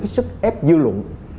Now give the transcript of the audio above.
cái sức ép dư luận